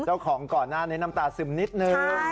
เจ้าของก่อนหน้าในน้ำตาซึมนิดนึง